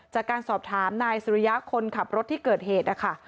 จากการสอบถามนายสุริยะคนขับรถที่เกิดเหตุนะคะ